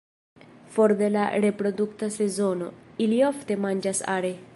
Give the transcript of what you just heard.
For de la reprodukta sezono, ili ofte manĝas are.